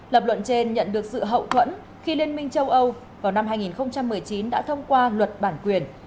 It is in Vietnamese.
lập luận trên nhận được sự hậu thuẫn khi liên minh châu âu vào năm hai nghìn một mươi chín đã thông qua luật bản quyền